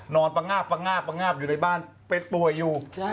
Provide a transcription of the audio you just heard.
ปะงาบปะงาบปะงาบอยู่ในบ้านไปป่วยอยู่